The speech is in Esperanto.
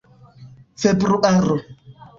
februaro